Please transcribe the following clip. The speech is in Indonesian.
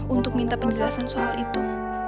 untuk minta penjelasan soal itu